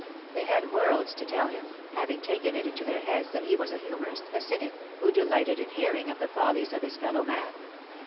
They had worlds to tell him, having taken it into their heads that he waa a humourist, a cynic, who delighted in hearing of the follies of his fellow man.